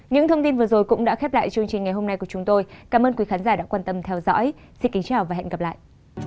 những thông tin vừa rồi cũng đã khép lại chương trình ngày hôm nay của chúng tôi cảm ơn quý khán giả đã quan tâm theo dõi xin kính chào và hẹn gặp lại